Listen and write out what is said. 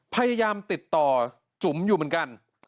พยายามติดต่อจุ๋มอยู่เหมือนกัน